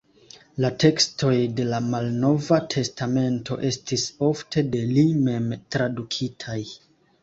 La tekstoj de la Malnova Testamento estis ofte de li mem tradukitaj.